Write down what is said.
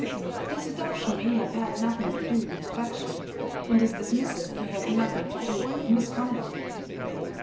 His adoption may have had nothing to do with affection; and his dismissal may have nothing to do with misconduct.